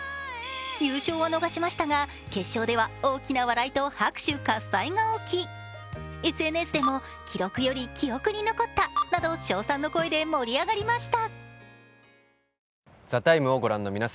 優勝は逃しましたが決勝では大きな笑いと拍手喝采が起きＳＮＳでも称賛の声で盛り上がりました。